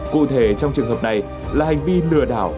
cụ thể trong trường hợp này là hành vi lừa đảo